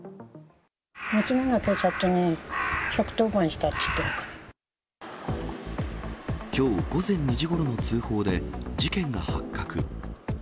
娘が警察に１１０番したってきょう午前２時ごろの通報で事件が発覚。